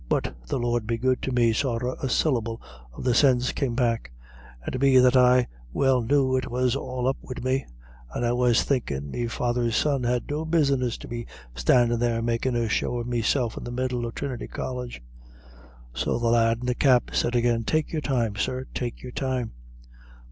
But, the Lord be good to me sorra a syllable of the sinse come back. And be that I well knew it was all up wid me; and I was thinkin' me father's son had no business to be standin' there makin' a show of meself in the middle of Trinity College. So the lad in the cap said again, 'Take your time, sir, take your time.'